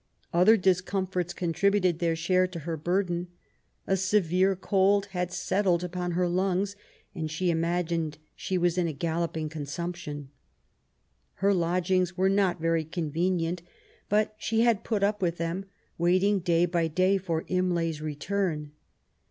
Other discomforts contributed their share to her burden. A severe cold had settled upon her lungs, and she ima gined she was in a galloping consumption. Her lodg ings were not very convenient, but she had put up with them, waiting day by day for Imlay's return.